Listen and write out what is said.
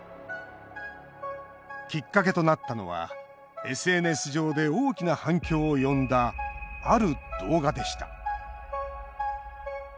きっかけとなったのはＳＮＳ上で大きな反響を呼んだある動画でした。